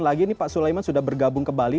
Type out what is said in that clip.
lagi ini pak sulaiman sudah bergabung ke bali